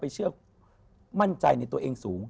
เชื่อมั่นใจในตัวเองสูง